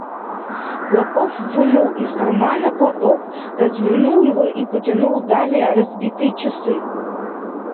Клопов вынул из кармана платок, развернул его и протянул даме разбитые часы.